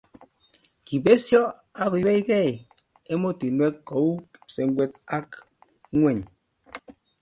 kibesyo akuywei gei emotinwek kou kipsengwet ak ng'weny.